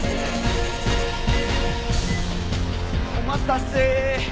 お待たせ！